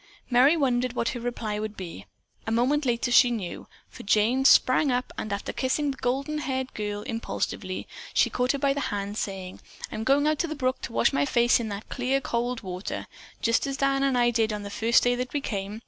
Merry wondered what her reply would be. A moment later she knew, for Jane sprang up and after kissing the golden haired girl impulsively, she caught her by the hand, saying: "I'm going out to the brook to wash my face in that clear, cold water, just as Dan and I did the first day that we came.